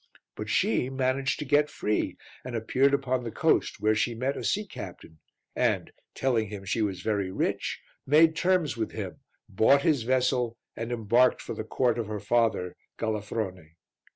But she managed to get free and appeared upon the coast where she met a sea captain and, telling him she was very rich, made terms with him, bought his vessel and embarked for the Court of her father, Galafrone.